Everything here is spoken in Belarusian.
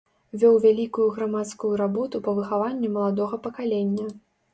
Вёў вялікую грамадскую работу па выхаванню маладога пакалення.